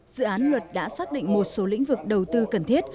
dự án luật đã xác định một số lĩnh vực đầu tư cần thiết